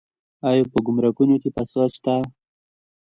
آیا په ګمرکونو کې فساد شته؟